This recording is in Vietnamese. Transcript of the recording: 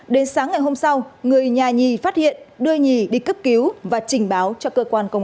đến sáng ngày hôm sau người nhà nhì phát hiện đưa nhì đi cấp cứu và trình báo cho cơ quan công an